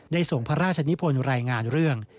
ส่งพระราชนิพลรายงานเรื่อง